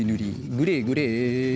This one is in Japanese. グレーグレー。